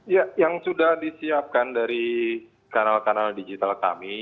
ya yang sudah disiapkan dari kanal kanal digital kami